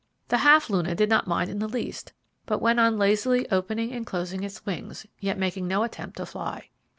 The Half luna did not mind in the least, but went on lazily opening and closing its wings, yet making no attempt to fly.